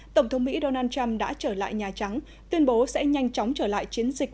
tổng thống mỹ donald trump đã trở lại nhà trắng tuyên bố sẽ nhanh chóng trở lại chiến dịch